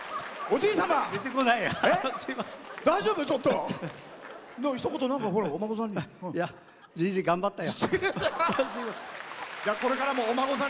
じいじ、頑張ったよ。